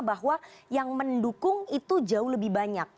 bahwa yang mendukung itu jauh lebih banyak